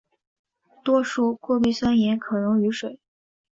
多数过氯酸盐可溶于水。